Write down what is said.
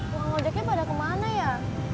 bang ujaknya pada kemana ya